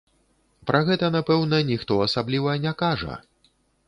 Пра гэта, напэўна, ніхто асабліва не кажа.